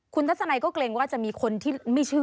คุณทัศนัยก็เกรงว่าจะมีคนที่ไม่เชื่อ